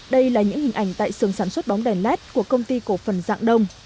đây là những hình ảnh tại xương sản xuất bóng đèn led của công ty cổ phần giảng đông